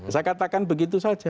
saya katakan begitu saja